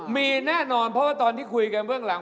มีแน่นอนเพราะว่าตอนที่คุยกันพวกมันล่าง